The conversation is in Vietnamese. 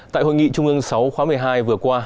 tại hội nghị trung ương sáu khóa một mươi hai vừa qua